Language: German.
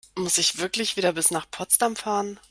Muss ich wirklich wieder bis nach Potsdam fahren?